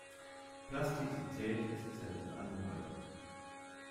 Plastizität ist selten angedeutet.